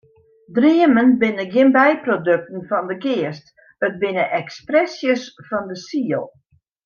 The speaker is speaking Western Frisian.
Dreamen binne gjin byprodukten fan de geast, it binne ekspresjes fan de siel.